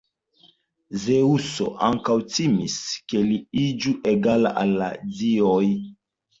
Zeŭso ankaŭ timis, ke li iĝu egala al la dioj.